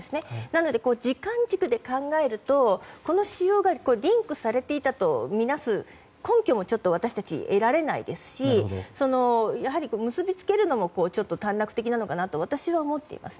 なので、時間軸で考えるとこの使用がリンクされていたとみなす根拠も私たちは得られないですし結びつけるのも短絡的なのかなと私は思っています。